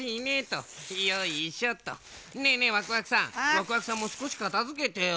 ワクワクさんもすこしかたづけてよ。